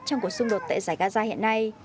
trong cuộc xung đột tại giải gaza hiện nay